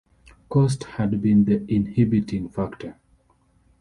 Cost had been the inhibiting factor.